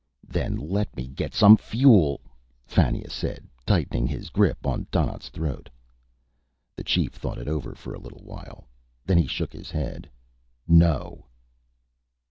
"Then let me get some fuel," Fannia said, tightening his grip on Donnaught's throat. The chief thought it over for a little while. Then he shook his head. "No."